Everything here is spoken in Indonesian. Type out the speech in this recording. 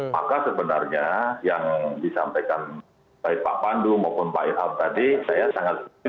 maka sebenarnya yang disampaikan baik pak pandu maupun pak iham tadi saya sangat setuju